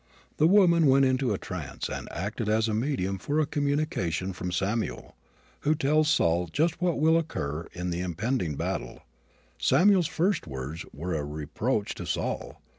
The woman went into trance and acted as a medium for a communication from Samuel, who tells Saul just what will occur in the impending battle. Samuel's first words were a reproach to Saul.